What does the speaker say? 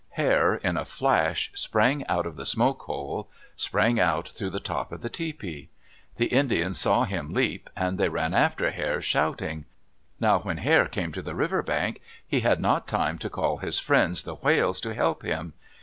Hare, in a flash, sprang out of the smoke hole—sprang out through the top of the tepee. The Indians saw him leap, and they ran after Hare shouting. Now when Hare came to the river bank he had not time to call his friends, the whales, to help him.